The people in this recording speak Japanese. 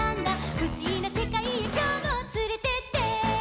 「ふしびなせかいへきょうもつれてって！」